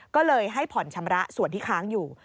ก็เลยให้ผ่อนชำระส่วนที่ค้างอยู่